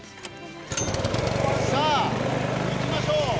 さあ、行きましょう。